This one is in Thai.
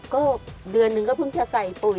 ก็เดือนหนึ่งก็เพิ่งจะใส่ปุ๋ย